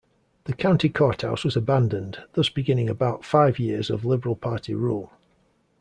The county courthouse was abandoned, thus beginning about five years of Liberal Party rule.